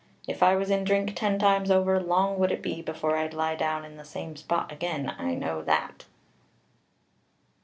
If I was in drink ten times over, long would it be before I'd lie down in the same spot again, I know that."